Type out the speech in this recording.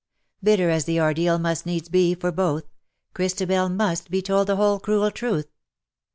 Bitter as the ordeal must needs be for both, Christabel must be told the whole cruel truth.